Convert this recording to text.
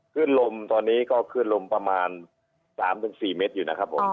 ขึ้นลมตอนนี้ก็ขึ้นลมประมาณ๓๔เมตรอยู่นะครับผม